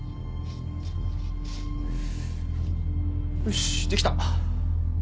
よしできた。